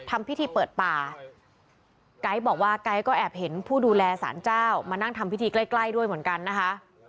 ทำพิธีเปิดป่าไก๊บอกว่าไก๊ก็แอบเห็นผู้ดูแลสารเจ้ามานั่งทำพิธีใกล้ใกล้ด้วยเหมือนกันนะคะ